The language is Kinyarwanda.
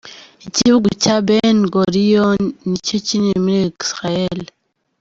Ikibuga cya Ben Gurion ni cyo kinini muri Israël.